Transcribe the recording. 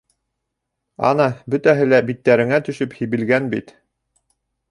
Ана, бөтәһе лә биттәреңә төшөп һибелгән бит...